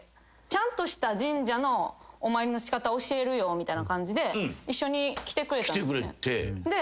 ちゃんとした神社のお参りの仕方教えるよみたいな感じで一緒に来てくれたんですね。